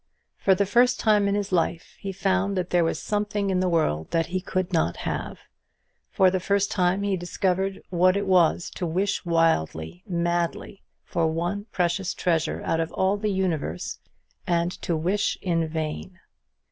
For the first time in his life he found that there was something in the world that he could not have; for the first time he discovered what it was to wish wildly, madly for one precious treasure out of all the universe; and to wish in vain.